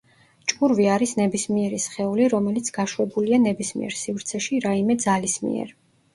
ჭურვი არის ნებისმიერი სხეული რომელიც გაშვებულია ნებისმიერ სივრცეში რაიმე ძალის მიერ.